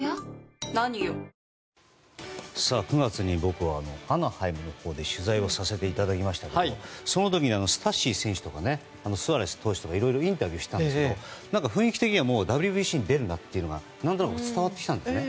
僕は９月にアナハイムのほうで取材をさせていただきましたけどもその時にスタッシ選手とかいろいろインタビューしたんですけど雰囲気的にはＷＢＣ出るなっていうのが何となく伝わってきたんですね。